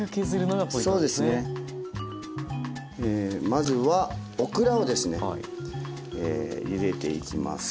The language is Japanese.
まずはオクラをですねゆでていきます。